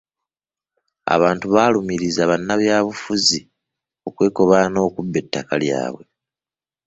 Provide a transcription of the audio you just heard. Abantu baalumirizza bannabyabufuzi okwekobaana okubba ettaka lyabwe.